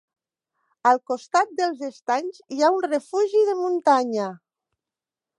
Al costat dels estanys hi ha un refugi de muntanya.